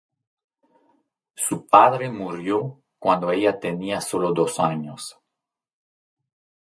Su padre murió cuando ella tenía solo dos años.